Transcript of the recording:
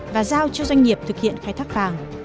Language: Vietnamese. và giao cho doanh nghiệp thực hiện khai thác vàng